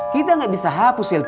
kita gak bisa hapus selfie